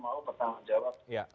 mau bertanggung jawab